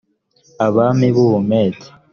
abami b u bumedi